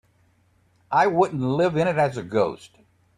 I wouldn't live in it as a ghost.